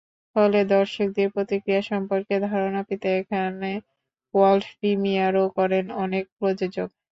ফলে দর্শকদের প্রতিক্রিয়া সম্পর্কে ধারণা পেতে এখানে ওয়ার্ল্ড প্রিমিয়ারও করেন অনেক প্রযোজক।